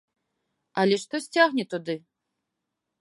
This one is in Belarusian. Але штось цягне туды!